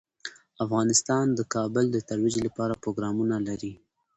افغانستان د کابل د ترویج لپاره پروګرامونه لري.